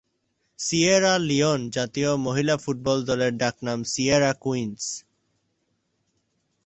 Sierra Leone জাতীয় মহিলা football দলের ডাকনাম সিয়েরা কুইন্স।